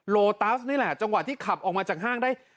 โลตัสนี่แหละจังหวะที่ขับออกมาจากห้างได้